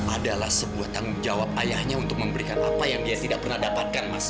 adalah sebuah tanggung jawab ayahnya untuk memberikan apa yang dia tidak pernah dapatkan mas